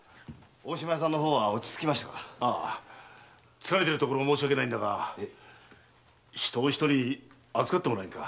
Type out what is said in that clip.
疲れてるとこ申し訳ないんだが人を一人預かってもらえんか？